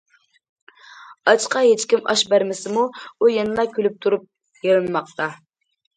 ئاچقا ھېچكىم ئاش بەرمىسىمۇ، ئۇ يەنىلا كۈلۈپ تۇرۇپ يېلىنماقتا.